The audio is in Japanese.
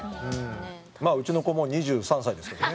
まあ、うちの子もう２３歳ですけどね。